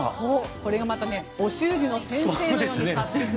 これがまたお習字の先生のように達筆で。